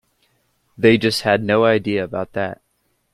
They just have no idea about that.